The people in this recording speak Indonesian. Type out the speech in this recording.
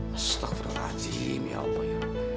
masuk terlajim ya allah ya allah